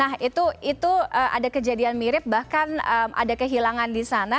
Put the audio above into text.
nah itu ada kejadian mirip bahkan ada kehilangan di sana